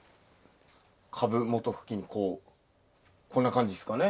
株元付近にこうこんな感じっすかね。